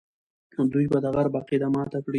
دوی به د غرب عقیده ماته کړي.